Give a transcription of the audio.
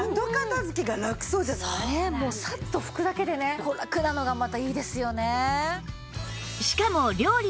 もうサッと拭くだけでねラクなのがまたいいですよね。